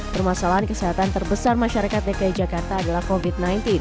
permasalahan kesehatan terbesar masyarakat dki jakarta adalah covid sembilan belas